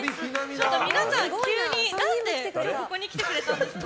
皆さん、急に何でここに来てくれたんですか。